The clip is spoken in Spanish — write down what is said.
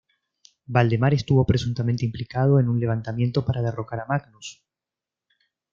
Valdemar estuvo presuntamente implicado en un levantamiento para derrocar a Magnus.